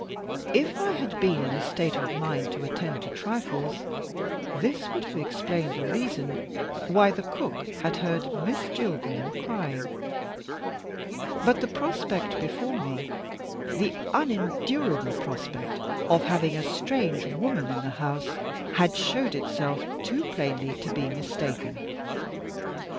If I had been in a state of mind to attend to trifles, this would have explained the reason why the cook had heard Miss Jillgall crying. But the prospect before me the unendurable prospect of having a strange woman in the house had showed itself too plainly to be mistaken.